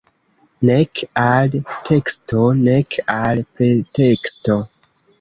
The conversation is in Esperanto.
Nek al teksto, nek al preteksto.